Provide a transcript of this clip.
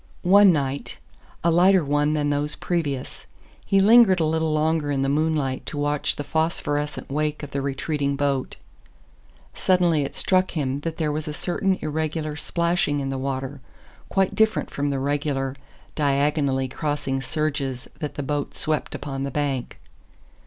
One night, a lighter one than those previous, he lingered a little longer in the moonlight to watch the phosphorescent wake of the retreating boat. Suddenly it struck him that there was a certain irregular splashing in the water, quite different from the regular, diagonally crossing surges that the boat swept upon the bank.